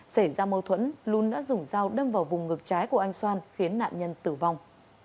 xảy ra mâu thuẫn lún đã dùng dao đâm vào vùng ngược trái của anh xoan khiến nạn nhân tử vong